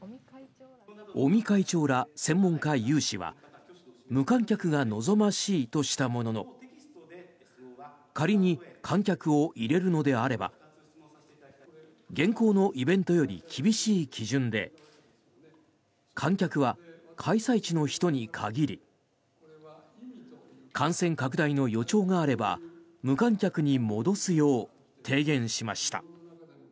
尾身会長ら専門家有志は無観客が望ましいとしたものの仮に観客を入れるのであれば現行のイベントより厳しい基準で観客は開催地の人に限り感染拡大の予兆があれば無観客に戻すよう提言しました。